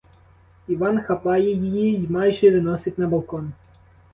Іван хапає її й майже виносить на балкон.